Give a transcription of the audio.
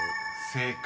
［正解］